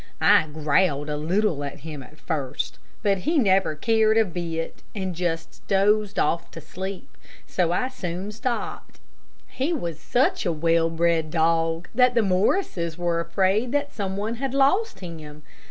I growled a little at him at first, but he never cared a bit, and just dozed off to sleep, so I soon stopped. He was such a well bred dog, that the Morrises were afraid that some one had lost him.